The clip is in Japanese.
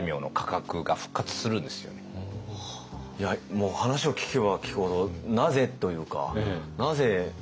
もう話を聞けば聞くほどなぜ？というか。